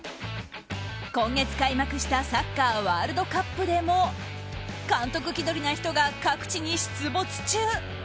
今月開幕したサッカーワールドカップでも監督気取りな人が各地に出没中。